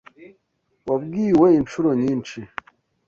Wabwiwe inshuro nyinshi.